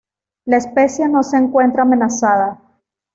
La especie no se encuentra amenazada.